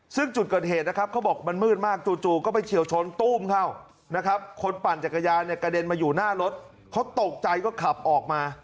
ซึ่งจุดเกิดเหตุนะครับเขาบอกมันมืดมากจู่ก็ไปเฉียวชนตู้มเข้านะครับคนปั่นจักรยานเนี่ยกระเด็นมาอยู่หน้ารถเขาตกใจก็ขับออกมา